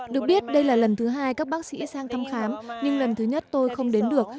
được biết đây là lần thứ hai các bác sĩ sang thăm khám nhưng lần thứ nhất tôi không đến được